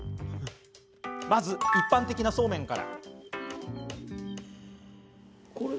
まずは、一般的なそうめんから。